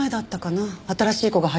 新しい子が入ったの。